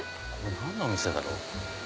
何の店だろう？